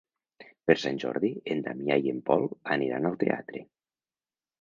Per Sant Jordi en Damià i en Pol aniran al teatre.